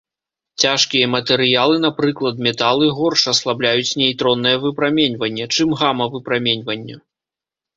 Цяжкія матэрыялы, напрыклад металы, горш аслабляюць нейтроннае выпраменьванне, чым гама-выпраменьванне.